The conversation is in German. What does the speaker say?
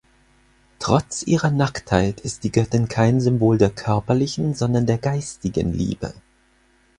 Trotz ihrer Nacktheit ist die Göttin kein Symbol der körperlichen, sondern der geistigen Liebe.